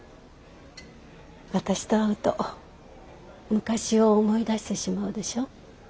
私と会うと昔を思い出してしまうでしょう。